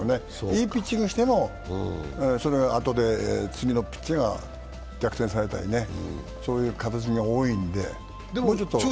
いいピッチングしてもそれがあとで次のピッチャーが逆転されたりね、そういう形が多いんで。